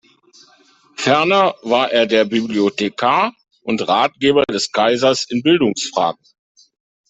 Ferner war er der Bibliothekar und Ratgeber des Kaisers in Bildungsfragen.